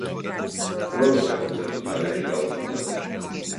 ყველა საკონცერტო თარიღი გაუქმდა.